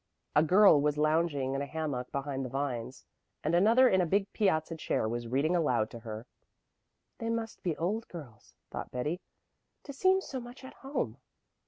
A girl was lounging in a hammock behind the vines, and another in a big piazza chair was reading aloud to her. "They must be old girls," thought Betty, "to seem so much at home."